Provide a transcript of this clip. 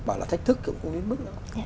bảo là thách thức kiểu không đến mức đâu